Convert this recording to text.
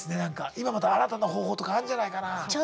今また新たな方法とかあんじゃないかなあ。